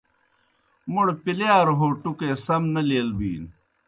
موْڑ پِلِیاروْ ہو ٹُکے سم نہ لیل بِینوْ۔